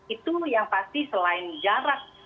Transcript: itu yang pasti selain jarak